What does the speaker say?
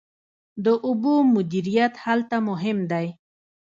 د اوبو مدیریت هلته مهم دی.